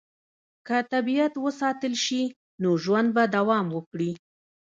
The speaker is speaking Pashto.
که طبیعت وساتل شي، نو ژوند به دوام وکړي.